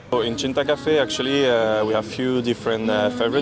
di cinta cafe sebenarnya kita punya beberapa menu favorit